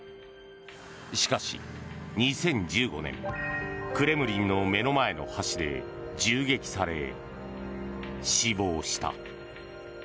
しかし２０１５年クレムリンの目の前の橋で銃撃され、死亡した。